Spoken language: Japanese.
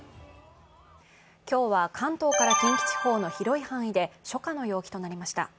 今日は関東から近畿地方の広い範囲で初夏の陽気となりました。